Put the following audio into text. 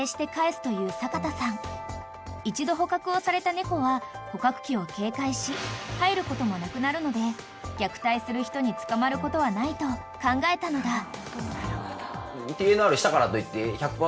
［一度捕獲をされた猫は捕獲器を警戒し入ることもなくなるので虐待する人に捕まることはないと考えたのだ］